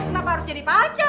kenapa harus jadi pacar